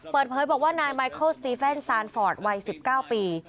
เปิดเผยบอกว่านายไมโคลสตีเฟนซานฟอร์ดวัย๑๙ปี